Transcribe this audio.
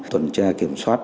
tuần tra kiểm soát